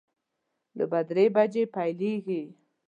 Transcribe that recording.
لوبه درې بجې پیلیږي